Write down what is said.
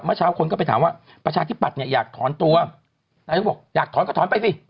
เช้าคนก็ไปถามว่าประชาธิปัตย์เนี่ยอยากถอนตัวนายกบอกอยากถอนก็ถอนไปสิ